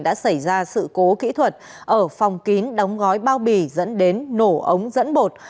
đã xảy ra sự cố kỹ thuật ở phòng kín đóng gói bao bì dẫn đến nổ ống dẫn bột